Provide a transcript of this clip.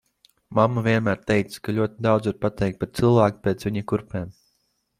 Mamma vienmēr teica, ka ļoti daudz var pateikt par cilvēku pēc viņa kurpēm.